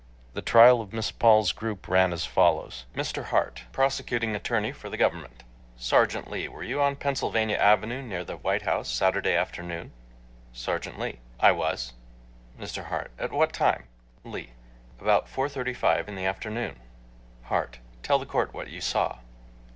The trial of Miss Paul's group ran as follows: MR. HART (Prosecuting Attorney for the Government): Sergeant Lee, were you on Pennsylvania Avenue near the White House Saturday afternoon? SERGEANT LEE: I was. MR. HART: At what time? LEE: About 4:35 in the afternoon. HART: Tell the court what you saw.